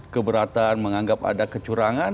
keberatan menganggap ada kecurangan